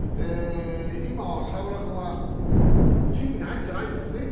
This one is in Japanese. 今は澤村君はチームに入ってないんだよね。